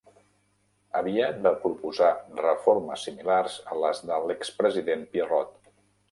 Aviat va proposar reformes similars a les de l'expresident Pierrot.